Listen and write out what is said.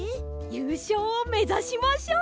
ゆうしょうをめざしましょう！